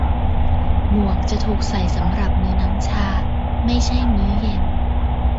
หมวกจะถูกใส่สำหรับมื้อน้ำชา ไม่ใช่มื้อเย็น